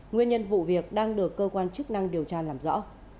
nguyên nhân vụ việc đang được cơ quan chức năng điều tra làm rõ